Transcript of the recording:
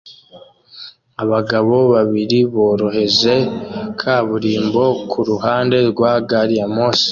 Abagabo babiri boroheje kaburimbo kuruhande rwa gari ya moshi